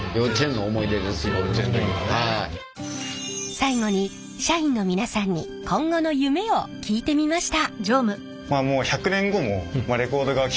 最後に社員のみなさんに今後の夢を聞いてみました。